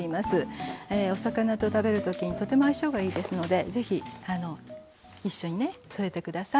お魚と食べるときにとても相性がいいですのでぜひ一緒にね添えて下さい。